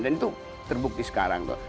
dan itu terbukti sekarang